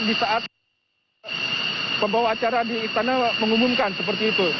di saat pembawa acara di istana mengumumkan seperti itu